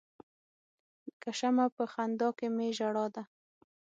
لکه شمع په خندا کې می ژړا ده.